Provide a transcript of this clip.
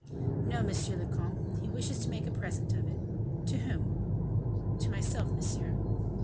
"No, monsieur le comte, he wishes to make a present of it." "To whom?" "To myself, monsieur."